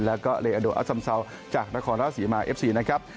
แล้วก็เรอะโดอสัมซาวจากนครราชสีมาร์เอฟซีนะครับ